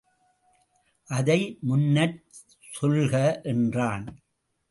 அதை முன்னர்ச் சொல்க என்றான்.